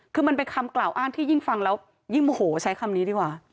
คือมันเป็นคำกล่าวอ้างที่ยิ่งฟังแล้วยิ่งโมโหใช้คำนี้ดีกว่า